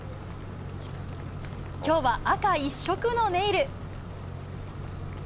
今日は赤１色のネイル。